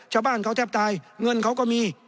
ชาวบ้านเขาแทบตายเงินเขาก็มี